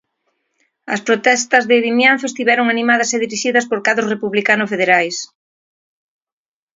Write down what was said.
As protestas de Vimianzo estiveron animadas e dirixidas por cadros republicano federais.